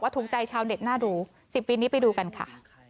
ถูกใจชาวเน็ตน่าดู๑๐ปีนี้ไปดูกันค่ะ